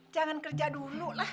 jangan kerja dulu lah